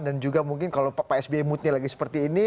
dan juga mungkin kalau pak sb moodnya lagi seperti ini